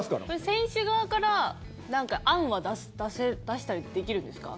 選手側から何か案は出したりできるんですか。